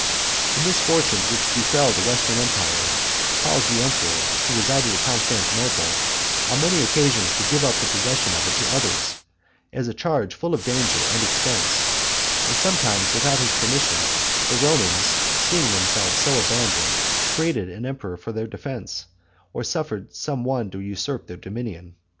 The misfortunes which befell the western empire caused the emperor, who resided at Constantinople, on many occasions to give up the possession of it to others, as a charge full of danger and expense; and sometimes, without his permission, the Romans, seeing themselves so abandoned, created an emperor for their defense, or suffered some one to usurp the dominion.